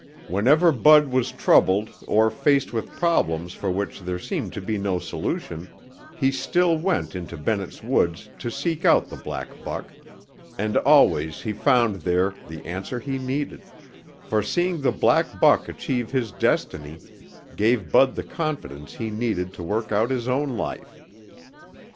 Whenever Bud was troubled or faced with problems for which there seemed to be no solution, he still went into Bennett's Woods to seek out the black buck. And always he found there the answer he needed, for seeing the black buck achieve his destiny gave Bud the confidence he needed to work out his own life.